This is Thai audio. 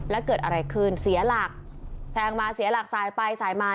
แล้วเกิดอะไรขึ้นเสียหลักแซงมาเสียหลักสายไปสายมา